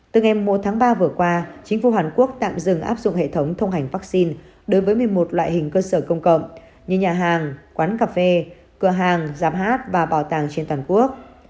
từ ngày một tháng ba vừa qua chính phủ hàn quốc tạm dừng áp dụng hệ thống thông hành vaccine đối với một mươi một loại hình cơ sở công cộng như nhà hàng quán cà phê cửa hàng giạp hát và bảo tàng trên toàn quốc